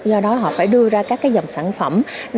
do đó họ phải đưa ra các cái dòng sản phẩm